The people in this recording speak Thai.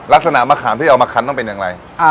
ลักษณะมะขามที่เอามาคันต้องเป็นอย่างไร